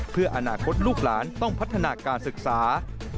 เพื่ออนาคตลูกหลานต้องพัฒนาการศึกษา